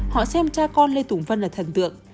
họ xem cha con lê tùng vân là thần tượng